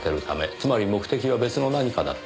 つまり目的は別の何かだった。